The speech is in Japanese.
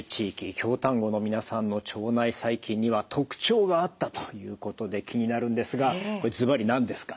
京丹後の皆さんの腸内細菌には特徴があったということで気になるんですがこれずばり何ですか？